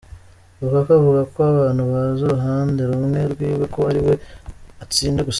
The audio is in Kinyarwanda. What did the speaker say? Lukaku avuga ko "Abantu bazi uruhande rumwe rwiwe, ko ari we atsinda gusa.